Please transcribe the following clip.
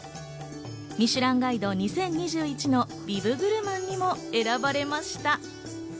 ミシュランガイド２０２１のビブグルマンにも選ばれました。